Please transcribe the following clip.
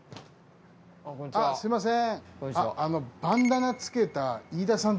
すみません。